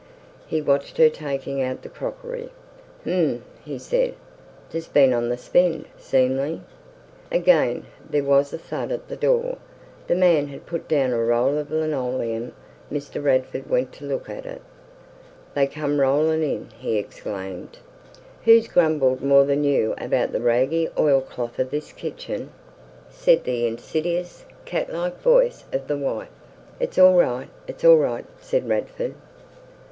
He watched her taking out the crockery. "Hm!" he said. "Tha's been on th' spend, seemly." Again there was a thud at the door. The man had put down a roll of linoleum. Mr. Radford went to look at it. "They come rolling in!" he exclaimed. "Who's grumbled more than you about the raggy oilcloth of this kitchen?" said the insidious, cat like voice of the wife. "It's all right, it's all right," said Radford.